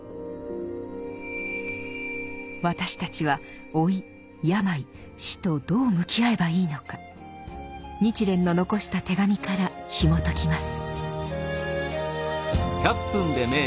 私たちは老い病死とどう向き合えばいいのか日蓮の残した手紙からひもときます。